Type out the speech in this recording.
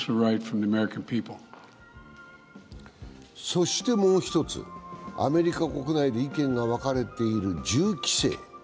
そしてもう一つ、アメリカ国内で意見が分かれている銃規制。